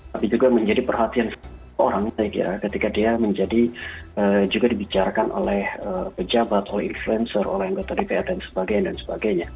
tapi juga menjadi perhatian orang ketika dia juga dibicarakan oleh pejabat influencer anggota dpr dsb